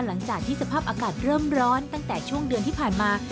หลังจากที่สภาพอากาศเริ่มร้อนตั้งแต่ช่วงเดือนที่ผ่านมา